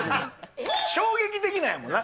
衝撃的なんやもんな。